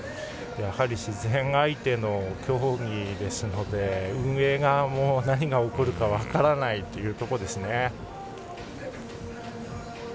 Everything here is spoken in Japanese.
やはり、自然相手の競技ですので運営側も、何が起こるか分からないというところですね。